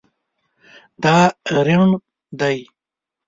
دا ریڼ دی